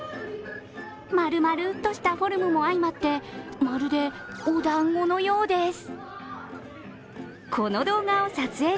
まるまるっとしたフォルムも相まって、まるでおだんごのようです。